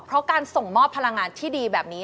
เพราะการส่งมอบพลังงานที่ดีแบบนี้